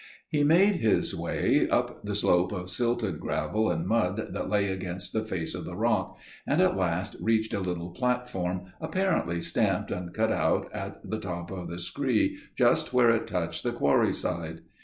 "He made his way up the slope of silted gravel and mud that lay against the face of the rock, and at last reached a little platform apparently stamped and cut out at the top of the skree just where it touched the quarry side.